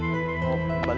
mau balik ke padepokan